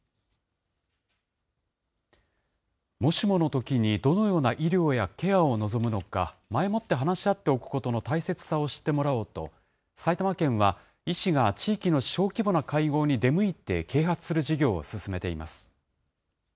もしものときにどのような医療やケアを望むのか、前もって話し合っておくことの大切さを知ってもらおうと、埼玉県は、医師が地域の小規模な会合に出向いて啓発する事業を進めています。